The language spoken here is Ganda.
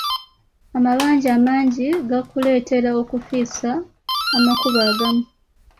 Amabanja amangi gakuleetera okufiisa amakubo agamu.